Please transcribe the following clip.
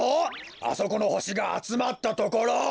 あそこのほしがあつまったところ。